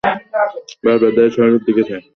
বারবার দাঁড়িয়ে শহরের দিকে চায়।